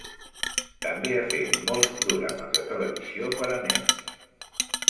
També ha fet molts programes de televisió per a nens.